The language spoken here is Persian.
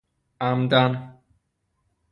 عمدا